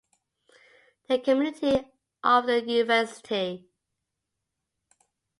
The community of the University.